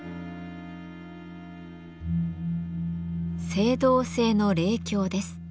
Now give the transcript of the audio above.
青銅製の鈴鏡です。